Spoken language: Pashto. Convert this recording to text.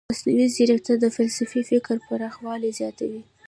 مصنوعي ځیرکتیا د فلسفي فکر پراخوالی زیاتوي.